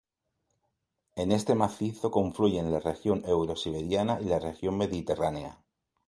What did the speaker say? En este macizo confluyen la región eurosiberiana y la región mediterránea.